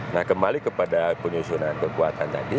nah kembali kepada penyusunan kekuatan tadi